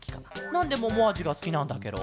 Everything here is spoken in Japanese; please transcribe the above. なんでももあじがすきなんだケロ？